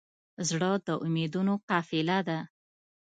زړه د امیدونو قافله ده.